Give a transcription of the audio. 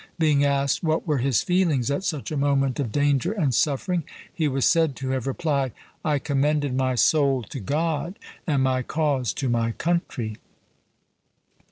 Being asked what were his feelings at such a moment of danger and suffering, he was said to have replied, "I commended my soul to God and my cause to my country."